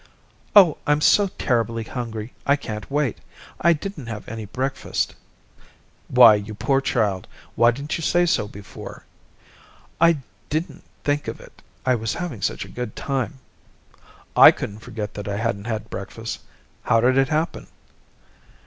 "Oh, I'm so terribly hungry I can't wait. I didn't have any breakfast." "Why, you poor child. Why didn't you say so before?" "I didn't think of it. I was having such a good time." "I couldn't forget that I hadn't had breakfast. How did it happen?"